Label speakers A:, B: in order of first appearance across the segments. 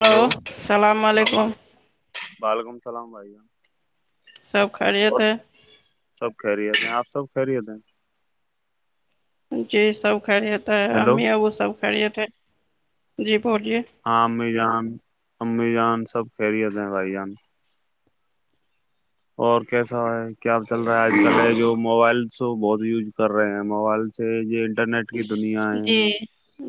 A: hello
B: السلام
A: السلام
B: علیکم
A: علم وعلیکم السلام علیکم [inaudible]
B: سب خریےتے ہے [unintelligible]
A: سب خریت ہیں آپ سب خیریت ہیں
B: جی سب خریتا ہے
A: ہیلو
B: امی ابو سب خھریتے ہیں جی بولیے
A: ہاں امی جان امی جان سب کہہری ہوتے ہیں بھائی جان [unintelligible] اور کیسا ہے کیا چل رہا آج کل ہے جو موبائلس ہو بہت یوز کر رہے ہیں موبائلس سے یہ انٹرنیٹ کی دنیا ہے
B: جی
A: [unintelligible]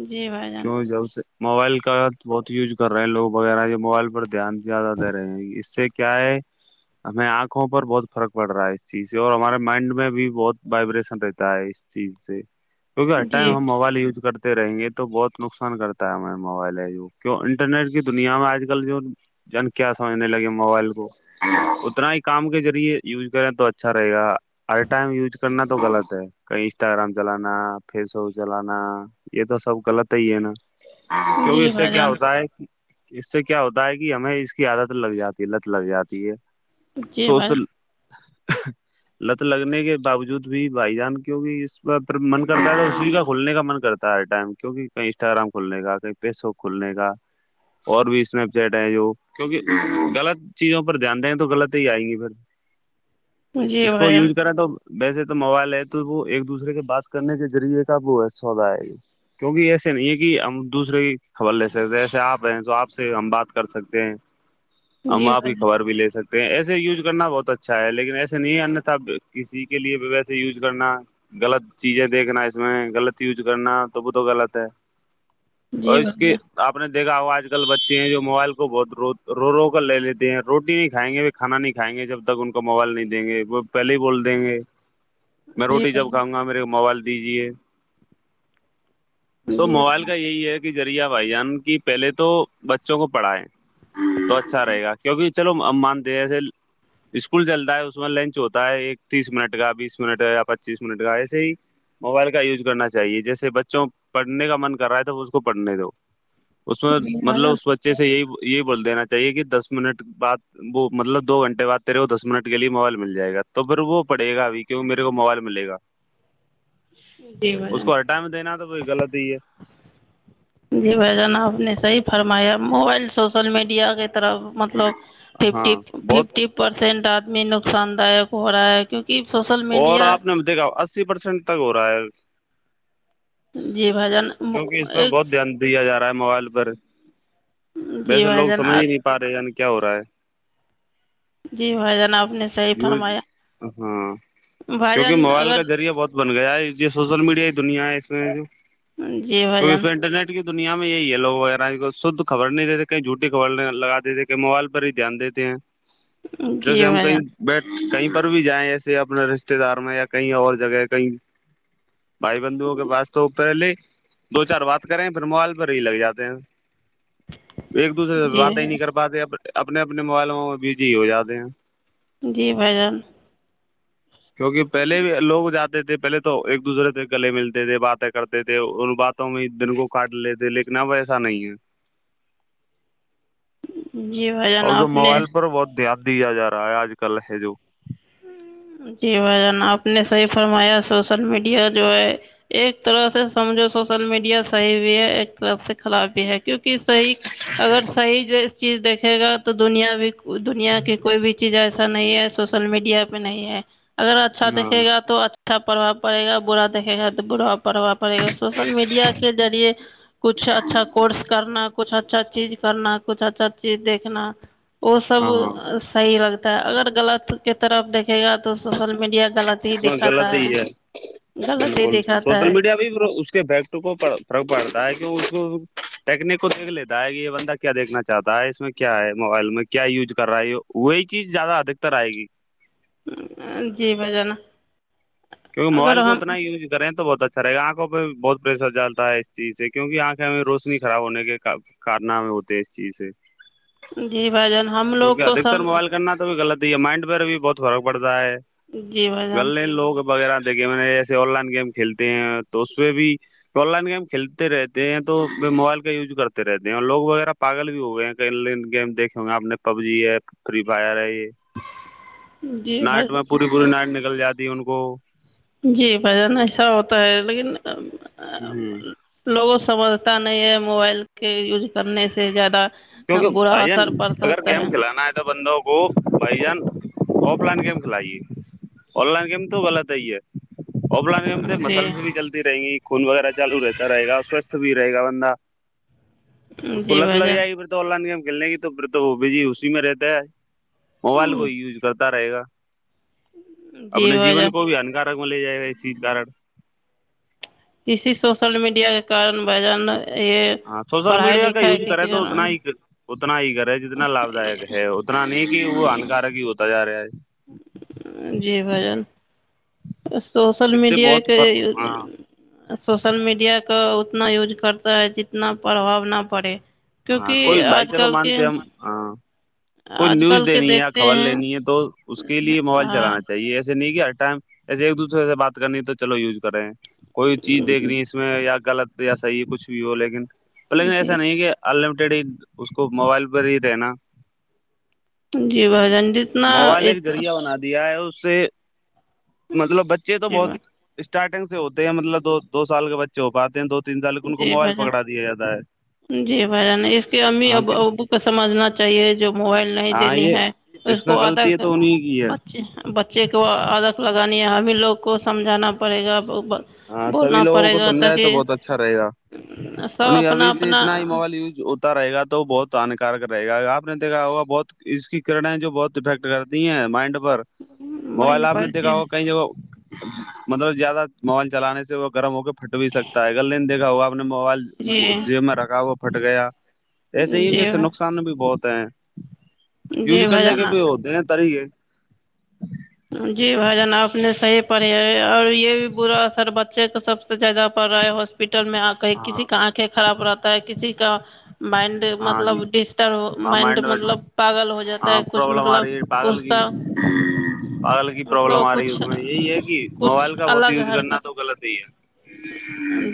B: جی بھائی جان
A: کیوں جلد سے [inaudible] موبائل کا بہت یوز کر رہے ہیں لوگ وغیرہ جو موبائل پر دھیان زیادہ دے رہے ہیں اس سے کیا ہے ہمیں آنکھوں پر بہت فرق پڑ رہا ہے اس چیز سے اور ہمارے مائنڈ میں بھی بہت وائبریشن رہتا ہے چیز سے کیکہ ہر ٹائم
B: جی
A: ہم موبائل یوز کرتے رہیں گے تو بہت نقصان کرتا ہے ہمیں موبائل ہےگ کی انٹرنیٹ کی دنیا میں آج کل جو جن کیا سمجھنے لگے موبائل کو [unintelligible] اتنا ہی کام کے ذریعے یوز کریں تو اچھا رہے گا ہر ٹائم یوز کرنا تو غلط ہے کہیں انسٹاگرام چلانا فیس بک چلانا یہ تو سب غلط ہی ہے نا کیونکہ
B: جی
A: اس سے
B: بھائی
A: کیا
B: جان
A: ہوتا ہے کہ اس سے کیا ہوتا ہے کہ ہمیں اس کی عادت لگ جاتی ہے لت لگ جاتی ہے
B: جی بھائی
A: سوصل [unintelligible] لت لگنے کے باوجود بھی بھائی جان کی بھی اسھر من کرتا ہے تو اسی کا کھلنے کا من کرتا ہے ٹائم کیوںکہ کہیں انسٹاگرام کھلنے کا کہیں فیس بک کھلنے کا اور بھی اسنیپ چیٹ ہے جو کیونکہ غلط چیزوں پر دھیان دیں تو غط ہی آئیں گی پھر
B: جان جی
A: اس کو
B: بھائی جان
A: یوز کریں تو ویسے تو موبائل ہے تو وہ ایک دوسرے سے بات کرنے کے ذریعے کا وہ سودا ہے کیونکہ ایسے نہیں ہے کہ ہم دوسرے کی خبر لے سکتے جسے آپ رہ تو آپ سے ہم بات کر سکتے ہیں ہم
B: جی
A: آپ کی
B: بھائی
A: خبر بھی لے سکتے ایسے یوز کرنا بہت اچھا ہے لیکن ایسے نہیں آنا تھا کسی کے لیے بھی ویسے یوز کرنا [unintelligible] غلط چیزیں دیکھنا اس میں غلط یوز کرنا توب تو گغلط ہے اور
B: جی
A: اس
B: بھائی
A: کی
B: جان
A: [unintelligible] تو آپ نے دیکا آج کل بچے ہیں جو موبائل کو بہت رو رو رو کر لے لیتے ہیں روٹی نہیں کھائیں گے [unintelligible] کھانا نہیں کھائیں گے جب تک ان کا موبائل نہیں دیں گے وہ پہلے ہی بول دیں گے میں
B: جی
A: روٹی
B: بھائی
A: جب
B: جان
A: کھاؤ گا میرے کو موبائل دیجیے سو
B: جی
A: موبائل کا یہی ہے کہ ذریعہ بھائی جان کی پہلے تو بچوں کو پڑھائے تو اچھا رہے گا کیونکہ چلو مان دسے اسکول چلتا ہے اس میں لنچ ہوتا ہے ایک تیس منٹ کا بیس منٹ کا یا پچیس منٹ کا ایسے ہی موبائل کا یوز کرنا چاہے جیسے بچوں پڑھنے کا من کر رہا ہے تھا وہ اس کو پڑھنے دو اس میں
B: جی بھائی
A: مطلب
B: جان
A: اس ب بچے سے یہی یہی بول دینا چاہیے کہ دس منٹ بد وہ مطلب دو گھنٹے بعدیرے کو دس منٹ کے لیے موبائل مل جائے گا تو پھر وہ پڑے گاب کیونوں میرے کو موبائل گا
B: جی بھ
A: اس
B: جان
A: کو ہر ٹائم دینا تو کوئی غلط ہی ہے
B: جی بھ جانا آپ نے صحی فرمایا موبائل سوشل میڈیا کے طرف مطلب
A: ہاں
B: ففٹی
A: بہت
B: ففٹی پرسینٹ آدمی نقصان داک ہو رہا ہے کیونکہ کی فصل
A: اور آپ نے دیکھا اسی پرسینٹ تک ہو رہا ہے
B: جی بھجن
A: چونکہ اس پ بہت دھیان دیا جا رہا ہے موبائل پر
B: جی
A: ویسے
B: بھائی
A: لوگ
B: جان
A: سمجھ ہی نہیں پار رہے یع کیا ہو رہا ہے
B: جی بائی جانا آپ نے صحیح
A: یوز
B: فرمایا
A: ہاں
B: بھائی جان
A: کیونکہ موبائل
B: اگر
A: کا ذریعہ بہت بن گیا یہ سوشل میڈیا دنیا ہے اس میں جو
B: جی بھائی
A: کیکہ اس
B: جان
A: میں انٹرنیٹ کی دنیا میں یہی ہے لوگ وغیرہ آج شدھ خبر نہیں دیتے کہیں جھوٹی خبر نہیں لگ دیتے کہیں موبائل پر ہی دھیان دیتے ہیں
B: جی
A: جیسے ہم ہم
B: بھائی
A: کیں
B: جان
A: جن بیٹ کہیں پر بھی جائیں ایسے اپنے رشتے دار میں یا کہیں اور جگہ کہیں بھائی بندھوؤں کے پاس تو پہلے دو چار بات کریں پھر موبائل پر ہی لگ جاتے ہیں ایک دوسرے سے
B: جی
A: باتیں ہی نہیں کر پاتے اپنے اپنے موبائل میں بجی ہو جاتے ہیں
B: جی بھ جان
A: کیونکہ پہلے بھی لوگ جاتے تھے پہلے تو ایک دوسرے سے گلے ملتے تھے باتیں کرتے تھے ان باتوں میں دن کو کاٹ لیتے تھے لیکن اب ایسا نہیں ہے
B: جی بھائی جان
A: اور تو
B: آپ نے
A: موبائل پر بہت دان دیا جا رہا ہے آج کل ہے جو [inaudible]
B: جی بھائی جان آپ نے صحیح فرمایا سوشل میڈیا جو ہے ایک طرح سے سمجھو سوشل میڈیا صحیح بھی ہے ایک طرف سے خراب بھی ہے کیونکہ صحیح اگر صحیح چیز دیکھے گا تو دنیا بھی دنیا کی کوئی بھی چیز ایسا نہیں ہے سوشل میڈیا پہ نہیں ہے اگر
A: ہاں
B: اچھایکھے گ توھا اچھا پربھا پڑے گا برا دیکے گا تو برا پرھا پڑے گا سوشل میڈیا کے ذریعے کچھ اچھا کورس کرنا کچھ اچھا چیز کرنا کچھ اچھا چیز دیکھنا وہ سب
A: ہاں ہاں اس
B: صحیح لگتا ہے اگر غلط کے طرف دیکھے گا تو سوشل میڈیا غلط ہی
A: میں
B: دکھاتا
A: غلط ہی
B: ہے غلط ہی
A: بالکل
B: دکھاتا
A: سوشل میڈیا بھی اس کےیکٹ کو فرق پڑتا ہے کہ اس کو ٹیکنک کو دیکھ لیتا ہے کہ یہ بندہ کیا دیکھنا چاہتا ہے اس میں کیا ہے موبائل میں کیا یوز کر رہا ہے یہ وہی چیز زیادہ ادھکتر آئے گی
B: جی بجانا
A: کیونک موبائل کو انا یو کریں تو بہت اچھا سر آنکھوں پہ بہت پریشر چلتا ہے اس چیز سے کیونوںہ آنکھیں میں روشنی خراب ہونے کے کارنامے ہوتے اس چیز سے
B: جی بھائی جان ہم لوگ
A: کیونکہ
B: کو
A: ادھکتر
B: سم
A: موبائل کرنا تو بھی غلط مائنڈ پئر بھی بہت فرق پڑتا ہے
B: جی بھائی جان
A: گلیں لو وغیرہ دیکھے نے جیسے آن لائن گیم کھیلتے ہیں تو اس پہ بھی آن لائن گیم کھیلتے رہتے ہیں تو موبائل کا یوز کرتے رہتے ہیں اور لوگ وغیرہ پاگل بھی ہو گئے ہیں لائن گیم دیکھے ہو گے آپ نے پب جی ہے فری فائر ہے یہ
B: جی
A: نائٹ
B: بھائی
A: میں پوری پوری نائٹ نکل جاتی ان کو
B: جی بھجن ایسا ہوتا ہے لیکن
A: ہ
B: لوگوں سمجھتا نہیں ہے موبائل کے یوج کرنے سے زیادہ
A: کیونکہ
B: برا
A: آ
B: اثر پڑتا
A: اگر
B: ہوتا ہے
A: گیم کھلانا ہے بندوں کو بھائی جان آف لائن گیم کھلائیے آن لائن گیم تو غلط ہے ہی ہے آف لائن گیم
B: جی
A: مسلس بھی چلتی رہیں گی خون وغیرہ چالو رہتا رہے گا سوستھ بھی رہے گا بندہ اس کو
B: جی
A: لت
B: بھائی
A: لگ
B: جان
A: جائے گی پھر آن لائن گیم کھیلنے کی تو پھر تو بھی جی اسی میں رہتا ہے موبائل کو ہی یوز کرتا رہے گا
B: جی
A: اپنے
B: بھائی
A: جین
B: جان
A: کو بھی ہکار لے جائے سی کار
B: اسی سوشل میڈیا کے کارن بجان یہ
A: ہاں سوشل
B: پڑھائی
A: میڈیا کا یوز
B: لکھائی
A: کرے
B: کے
A: تو اتنا
B: کارن
A: ہی اتنا ہی گھر ہے جتنا لابھ دائک ہے اتنا نہیں کہ وہ
B: جی
A: ہانکارک ہی ہوتا جا رہا ہے
B: جی بھجن سوشل
A: اس سے
B: میڈیا
A: بہت
B: کے
A: فرق ہاں
B: سوشل میڈیا کا اتنا یز کرتا ہے جتنا پربھؤ نہ پڑے
A: ہاں کوئی
B: کیونکہ
A: بھائی
B: آج
A: چلو
B: کل کے
A: مانتے ہم ہ کوئی
B: آج
A: نیوز
B: کل کے
A: دینی ہے یا
B: دیکھتے
A: خبر
B: ہیں
A: لینی ہے تو اس کے لیے موبائل
B: ہاں
A: چلانا چاہیے ایسے نہیں کہ ہر ٹائم جسے ایک دوسرے سے بات کرنی تو چلو یوز کرے کوئی چیز دیکھنی اس میں یا غلط یاسحی ہے کچھ بھی ہو لیکن لیکن ایسا
B: جی
A: نہیں کہ ان لمیٹیڈ ہی اس کو موبائل پر ہی رہنا
B: جی بھ جان جتنا
A: موبائل ایک
B: اتنا
A: ذریعہ بنا دیا ہے اس سے مطلب بچے تو
B: جی
A: بہت
B: بھائی
A: اسٹارٹنگ سے ہوتے ہیں مطلب دو دو سال کے بچے ہو پاتے ہیں دو تین سال ان کو
B: جی
A: موبائل
B: بھائی جان
A: پکڑا دیا جاتا ہے
B: جی بھ جان اس کی امی
A: ہاں
B: اب
A: کیا
B: ابو کو سمجھنا چاہیے جو موبائل نہیں
A: ہاں
B: دینی
A: یہ
B: ہے اس
A: میں
B: کو ادا
A: غلطی ہے تو انہیں کی ہے
B: بچے [unintelligible] بچے کو عدق لگانی ہے ہمبھی لوگ کو سمجھانا پڑے گا
A: ہاں سب
B: بولنا
A: لوگوں
B: پڑے
A: کو
B: گا
A: سمجھائے تو
B: تاکہ
A: بہت اچھا رہےا اور
B: سب
A: نہیں
B: اپنا
A: ابھی سے
B: اپنا
A: اتنا ہی موبائل یوز رہے گ تو وہ بہت ہانکارک رہے گا آپ نے دیکھا ہوگا بہت اس کی کرنائیں جو بہت افیکٹ کرتی ہیں مائنڈ پر موبائل
B: مائنڈ
A: آپ نے
B: پر
A: دیکھا
B: جی
A: ہو کہیں جگہ مطلب زیادہ موبائل چلانے سے وہ گرم ہو کے پھٹ بھی سکتا ہے اگر نہیں دیکھا ہوگاپ نے موبائل
B: جی
A: جیب میں رکھا وہ پھٹ گیا ایسے ہی کہ
B: جی
A: اس سے
B: بھائی
A: نقصان بھی بہت ہیں یوز
B: جی بھائی
A: کرنے کے بھی
B: جان
A: ہوتے ہیں طریقے
B: جی بھائی جان آپ نے صحیح پڑھ اور یہ بھی برا اثر بچے کا سب سے زیادہ پ رہا ہے ہاسپٹل میں کہیں کسی
A: ہاں
B: کا آنکھیں خراب رہتا ہے کسی کا مائنڈ
A: ہاں جی
B: مطلب ڈسٹرب
A: ہاں
B: مائنڈ
A: میں
B: مطلب پاگل ہو جاتا
A: ہاں
B: ہے کچھ
A: پرابلم آ رہی ہے
B: مطلب
A: پاگل
B: اس کا
A: [unintelligible] پرابلم
B: مطلب
A: آ رہی ہے اس
B: کچھ
A: میں یہی ہے کہ
B: کچھ
A: موبائل کا بہت
B: الگ
A: یوز کرنا
B: حرکت
A: تو غلط ہی ہے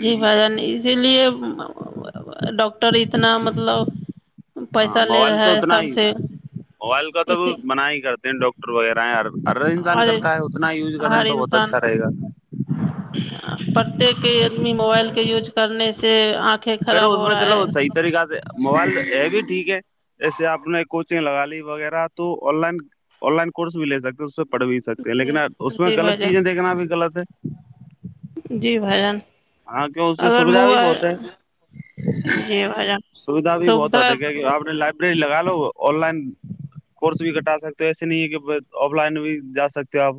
B: جی بھائی نہیں اسی لیے ڈاکٹر اتنا مطلب
A: ہاں
B: پیسہ لے
A: موبائل
B: رہا
A: تو
B: ہے
A: اتنا
B: سب
A: ہی
B: سے
A: موبائل کا تو
B: اسی
A: منا ہی کرتے ہیں ڈاکٹر وغیرہ ہیں ہ ار انسان
B: اور
A: کرتا ہے اتنا ہییوز کرے ہیں
B: ہر
A: تو بہت
B: انسان
A: اچھا رہےا
B: پرتیک آدمی موبائل کے یز کرنے سے پنکھیں خراب ہو رہا ہے
A: طریق سے موبائل ہے بھی ٹھیک ہے ایسے آپ نے کوچنگ لگا لی وغیرہ تو online online course بھی لے سکتے اس پڑ بھی سکتے ہیں لیکن
B: جی
A: اس میں
B: جی
A: غلط
B: بھائی جان
A: چیزیںیکھنا بھی غلط ہے
B: جی بھائی جان
A: ہاں کی اس سے
B: اگر
A: سویدھا بھی
B: موبائل
A: بہت ہے
B: جی بھائی جان
A: سوھا بھی بہت
B: سویدھا
A: ہوتے کیا آپ لائبریری لگا لو آن لائن کورس بھی کٹا سکتے ہو ایسے نہیں ہے کہ آف لائن بھی جا سکتے ہو آپ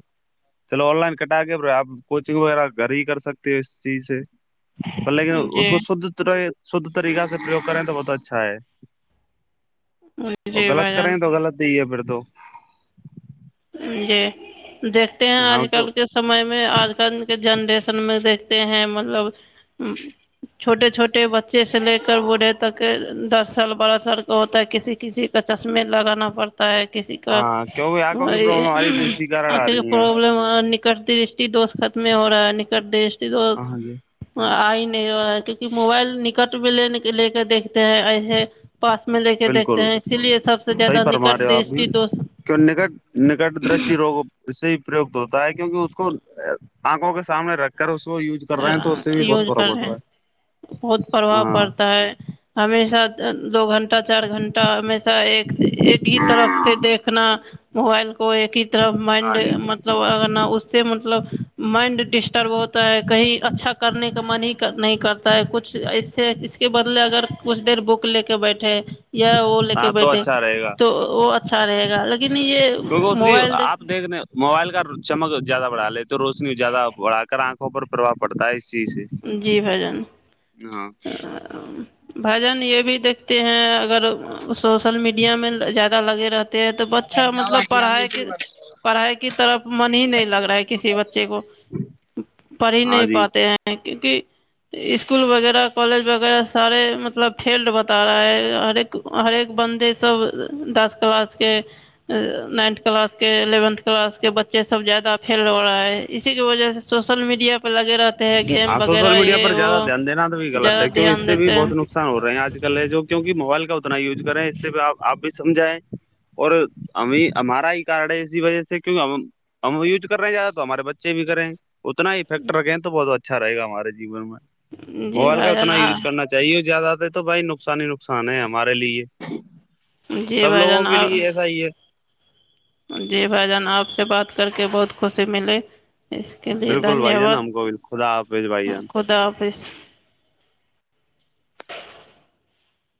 A: چلو آن لائن کٹا کے پ آپ کوچنگ وغیرہ گھر ہی کر سکتے ہیں چیز لیکن اس
B: جی
A: کو شدھ رہے شدھ طریقہ سے پرریوگ کریں تو بہت اچھا ہے اور
B: جی
A: غلط
B: بھائی جان
A: کریں تو غلط ہی ہے پھر تو
B: جی دیکھتے ہیں آج
A: ہاں کیوں
B: کل کے سمے میں آج کل کے جنریشن میں دیکھتے ہیں مطلب چھوٹے چھوٹے بچے جیسے لے کر بوڑھے تک دس سال بارہ سال کا ہوتا ہے کسی کسی کا چشمے لگانا پڑتا ت کسی کو
A: کہ ہو
B: وہ آنکھے کی پربلم نکٹتی دوست ختم ہو رہا ہے نکٹ دیش دوست
A: ہاں جی
B: آئی نہیں ہوا ہے کیونکہ موبائل نکٹ میں لے کے دیکھتے ہیں ایسے پاس میں لے کے دیکھتے
A: بالکل
B: ہیں اسی لیے سب سے زیادہ نکٹ دش دوست
A: کیوں نکٹ نکٹ درشٹی روگوں اس سے ت ہوتا ہے کیکہ اس کو آنکھوں کے سامنے رکھ کر اس کو یوز کر رہے ہیں تو اس سے بھی بہت
B: یوز
A: فرق
B: کر
A: پڑ رہا
B: رہے بہت
A: ہے
B: پربھؤ
A: ہاں
B: پڑتا ہے ہمیشہ دو گھنٹہ چار گھنٹہ ہمیشہ ایک ایک ہی طرف سے دیکھنا موبائل کو ایک ہی طرف
A: ہاں
B: مائنڈ
A: جی
B: متب ملب نا اس سے مطلب مائنڈ ڈسٹرب ہوتا ہے کہیں اچھا کرنے کا من ہی نہیں کرتا ہے کچھ ایسے اس کے بدلے اگر کچھ دیر بک لے کے بیٹھے یا وہ لے کے
A: ہاں تو
B: بیٹھے
A: اچھا رہے گا
B: تو وہ اچھا رہے گا لیکن نہیں یہ
A: کیونکہ اس کی
B: موبائل دیک
A: آپ دیکھ رہے موبائل کا چمک زیادہ بڑھا لے تو روشنی زیادہ بڑھا کر آنکھوں پر پرباؤ پڑتا ہے اس چیز سے
B: جی بھجن
A: ہاں
B: بھجن یہ بھی دیکھتے ہیں اگر سوشل میڈیا میں زیادہ لگے رہتے ہیں تو بچہ مطلب پڑھائی کے پڑھائی کی طرف من ہی نہیں لگ رہا ہے کسی بچے کو پڑ ہی
A: ہاں
B: نہیں
A: جی
B: پاتے ہیں کیونکہ اسکول وغیرہ کالج وغیرہ سارے مطلب فیلڈ ب تارا ہے ہر ایک ہر ایک بندے سب ڈاس کلاس کے نائنتھ کلاس کے الیونتھ کلاس کے بچے سب زیادہ فیل ہو رہا ہے اسی کے وجہ سے سوشل میڈیا پہ لگے رہا
A: ہاں سوشل میڈیا پر زیادہ دھیان دینا بھی غط ہے
B: زیادہ
A: کیوں اس
B: دھیان
A: سے بھی
B: دیتے ہیں
A: بہت نقصان رہے ہیں آج ل جو کیوںہ موبائل کا اتنا یوز کریں اس سے بھی آپ بھی سمجھائیں اور ہم ہمارا ہی کارڈ ہے اسی وجہ سے کی ہم ہم یوج کر رہے ہیں زیادہ تو ہمارے بچے بھی کریں ہیں اتنا ہی فٹر تو بہت اچھا رہےا ہمارے جیون میں
B: جی
A: موبائل کا
B: بھائی جان
A: اتنا یوز
B: آپ
A: کرنا چاہیے زیادہ ت تو بھائی نقصان ہی نقصان ہے ہمارے لیے
B: جی
A: سب
B: بھائی
A: لوگوں
B: جان
A: کے
B: آپ
A: لیے ایسا ہی ہے
B: جی بھائی جان آپ سے بات کر کے بہت خوشی ملی اس کے لیے
A: بالکل بھائی
B: دھنیہ
A: جان
B: واد
A: ہم کو بھی خدا حافظ بھائی جان
B: خدا حافظ